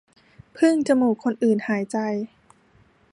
พึ่งจมูกคนอื่นหายใจ